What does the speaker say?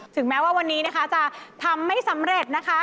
ถึงแม้ว่าวันนี้นะคะจะทำไม่สำเร็จนะคะ